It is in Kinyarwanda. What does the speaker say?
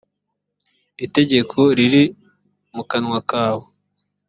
itegeko riri mu kanwa kawe